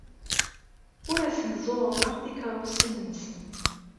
Ur asen-zzuɣureɣ tikeṛṛusin-nsen.